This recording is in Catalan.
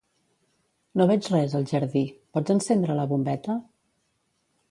No veig res al jardí; pots encendre la bombeta?